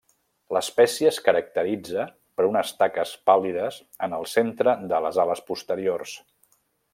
L'espècie es caracteritza per unes taques pàl·lides en el centre de les ales posteriors.